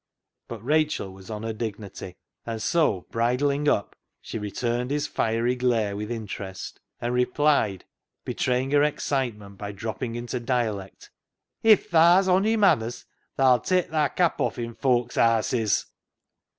" But Rachel was on her dignity, and so, bridling up, she returned his fiery glare with interest, and replied, betraying her excitement by dropping into dialect — "If thaa's ony manners thaa'll take thy cap off i' fouk's haases."